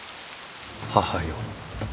「母よ